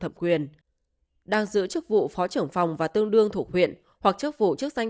thẩm quyền đang giữ chức vụ phó trưởng phòng và tương đương thuộc huyện hoặc chức vụ chức danh